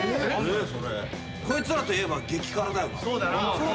こいつらといえば激辛だよな。